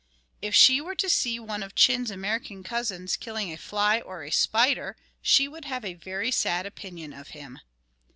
If she were to see one of Chin's American cousins killing a fly or a spider, she would have a very sad opinion of him.